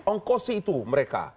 ongkosi itu mereka